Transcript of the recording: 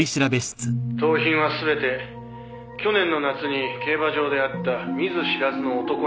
「盗品は全て去年の夏に競馬場で会った見ず知らずの男に売った。